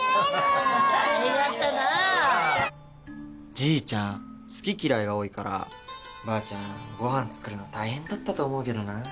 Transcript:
じいちゃん好き嫌いが多いからばあちゃんご飯作るの大変だったと思うけどな。